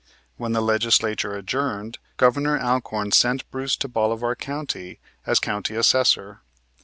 When the Legislature adjourned Governor Alcorn sent Bruce to Bolivar county as County Assessor.